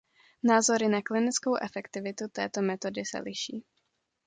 Názory na klinickou efektivitu této metody se liší.